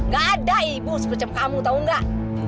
gak ada ibu seperti kamu tau gak